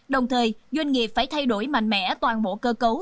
đồng thời doanh nghiệp phải thay đổi mạnh mẽ toàn bộ cơ cấu